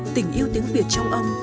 tình yêu tiếng việt trong ông